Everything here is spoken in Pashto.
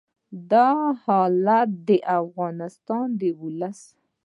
دا حالت د افغانستان د ولس